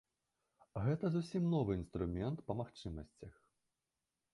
Гэта зусім новы інструмент па магчымасцях.